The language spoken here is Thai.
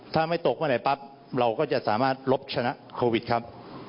ถ้าไม่ตกเมื่อไหนปั๊บเราก็จะสามารถลบชนะโควิดครับ